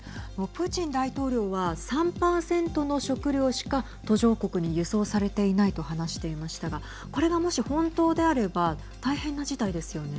プーチン大統領は３％の食料しか途上国に輸送されていないと話していましたがこれが、もし本当であれば大変な事態ですよね。